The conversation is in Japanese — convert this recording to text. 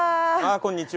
こんにちは。